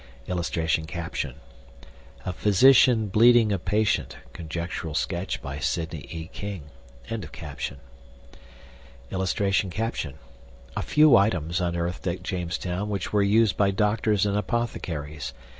[Illustration: A PHYSICIAN BLEEDING A PATIENT. (Conjectural sketch by Sidney E. King.)] [Illustration: A FEW ITEMS UNEARTHED AT JAMESTOWN WHICH WERE USED BY DOCTORS AND APOTHECARIES.